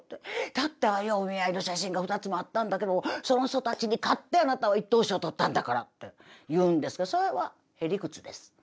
だってああいうお見合いの写真が２つもあったんだけどもその人たちに勝ってあなたは１等賞を取ったんだから」って言うんですけどそれはへ理屈です。